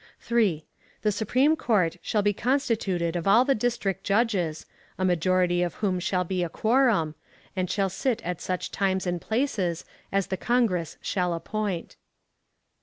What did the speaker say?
3. The Supreme Court shall be constituted of all the district judges, a majority of whom shall be a quorum, and shall sit at such times and places as the Congress shall appoint.